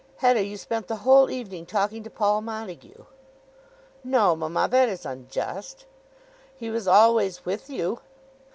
Hetta, you spent the whole evening talking to Paul Montague." "No, mamma; that is unjust." "He was always with you."